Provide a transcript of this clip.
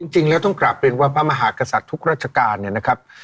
จริงแล้วต้องกลับเรียนว่าพระมหากษัตริย์ทุกราชการเนี่ยนะครับ